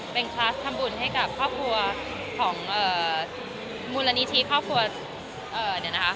เป็นคลาสทำบุญให้กับครอบครัวของมูลนิธิครอบครัวเดี๋ยวนะคะ